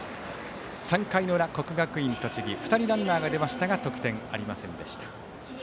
３回の裏、国学院栃木２人ランナーが出ましたが得点ありませんでした。